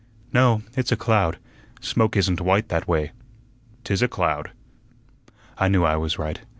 "No, it's a cloud. Smoke isn't white that way." "'Tis a cloud." "I knew I was right.